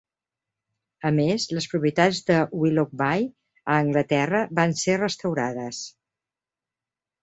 A més, les propietats de Willoughby a Anglaterra van ser restaurades.